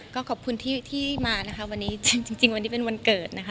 ก็ขอบคุณที่มานะคะวันนี้จริงวันนี้เป็นวันเกิดนะคะ